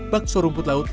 bakso rumput laut